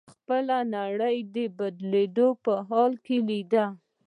هغه خپله نړۍ د بدلېدو په حال کې وليده.